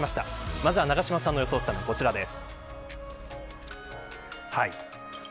まずは永島さんの予想スタメンです。